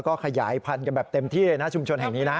ก็ขยายพันธุ์กันแบบเต็มที่เลยนะชุมชนแห่งนี้นะ